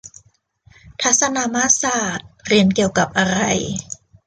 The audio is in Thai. ทัศนมาตรศาสตร์ เรียนเกี่ยวกับอะไร